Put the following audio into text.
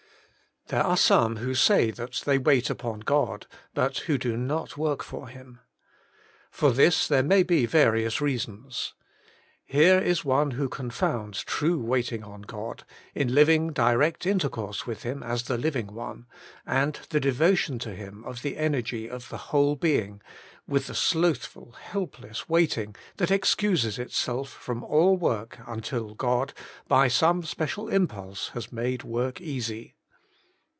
There are some who say they wait upon God, but who do not work for Him. For this there may be various reasons. Here is one who confounds true waiting on God (in living direct intercourse with Him as the Living One), and the devotion to Him of the energy of the whole being, with the slothful, helpless waiting that excuses itself from all work until God, by some special impulse, has made work easy.